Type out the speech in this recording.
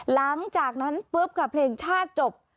หลังจากนั้นปุ๊บค่ะเพลงชาติจบ